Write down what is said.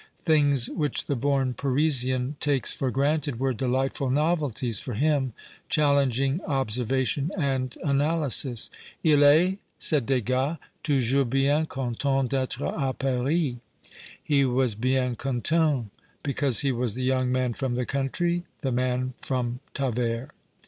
Things which the born Parisian takes for granted were delightful novelties for him, chal lenging observation and analysis. " 11 est," said Degas, " toujours bien content d'etre k Paris." He was " bien content " because he was " the young man from the country," the man from Tavers.